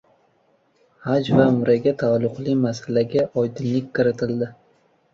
Haj va umraga taalluqli masalaga oydinlik kiritildi